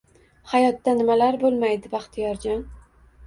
Hayotda nimalar boʻlmaydi, Baxtiyorjon